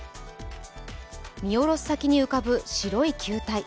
見下ろす先に浮かぶ白い球体。